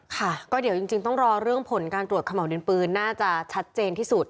ค่ะก็เดี๋ยวจริงต้องรอเรื่องผลการตรวจขม่าวดินปืนน่าจะชัดเจนที่สุด